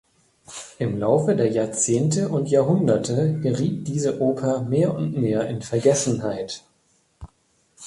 Im Laufe der Jahrzehnte und Jahrhunderte geriet diese Oper mehr und mehr in Vergessenheit.